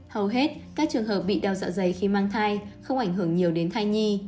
hầu hết các trường hợp bị đau dạ dày khi mang thai không ảnh hưởng nhiều đến thai nhi